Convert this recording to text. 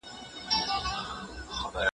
ولي د ځان کم ګڼل زموږ ذهني وده دروي؟